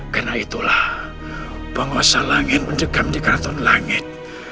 karena itulah penguasa langit mendegam di keraton langit